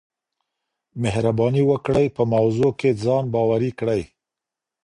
مهرباني وکړئ په موضوع کي ځان باوري کړئ.